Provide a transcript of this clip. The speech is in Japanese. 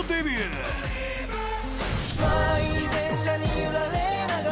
「満員電車に揺られながら」